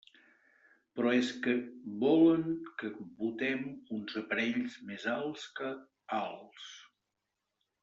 Però és que volen que botem uns aparells més alts que alts.